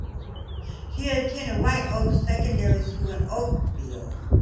She attended White Oaks Secondary School in Oakville.